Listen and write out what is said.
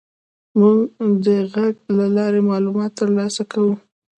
موږ د غږ له لارې معلومات تر لاسه کوو.